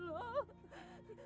anak yang sangat aku cintai